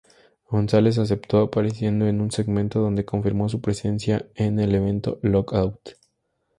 González aceptó, apareciendo en un segmento donde confirmó su presencia en el evento "LockOut".